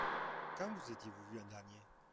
Quand vous étiez-vous vu en dernier ?